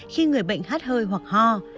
khi người bệnh hát hơi hoặc ho